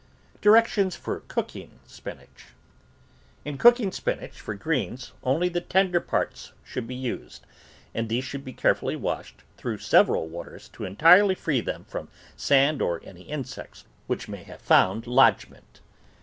DIRECTIONS FOR COOKING SPINACH In cooking spinach for greens only the tender parts should be used, and these should be care fully washed through several waters to entirely free them from sand or any insects which may have found lodgment.